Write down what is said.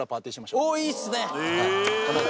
いいっすね！